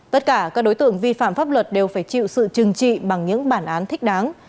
tất cả các đối tượng vi phạm pháp luật đều phải chịu sự trừng trị bằng những bản án thích đáng